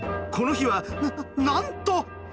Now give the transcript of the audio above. この日はなんと！